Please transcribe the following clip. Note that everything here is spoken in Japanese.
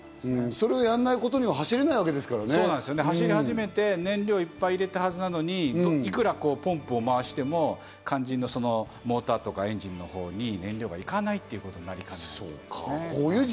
それをやらないことには走れ走り始めて燃料いっぱい入れたはずなのにいくらポンプを回しても肝心のモーターとかエンジンのほうに燃料がいかないということになるわけですね。